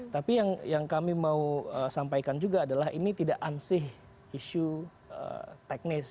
tapi yang kami mau sampaikan juga adalah ini tidak ansih isu teknis